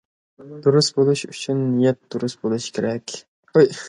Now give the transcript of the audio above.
« دۇرۇس بولۇش» ئۈچۈن، نىيەت دۇرۇس بولۇشى كېرەك.